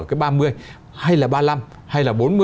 cái ba mươi hay là ba mươi năm hay là